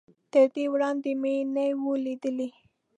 تر دې وړاندې مې نه و ليدلی.